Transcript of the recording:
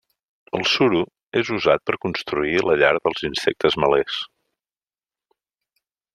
El suro és usat per construir la llar dels insectes melers.